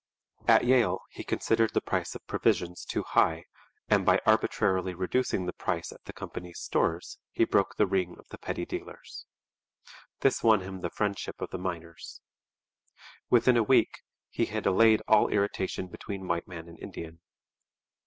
At Yale he considered the price of provisions too high, and by arbitrarily reducing the price at the company's stores, he broke the ring of the petty dealers. This won him the friendship of the miners. Within a week he had allayed all irritation between white man and Indian.